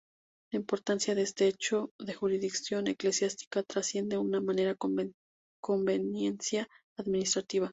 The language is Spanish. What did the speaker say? La importancia de este hecho de jurisdicción eclesiástica trasciende una mera conveniencia administrativa.